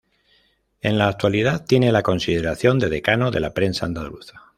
En la actualidad tiene la consideración de decano de la prensa andaluza.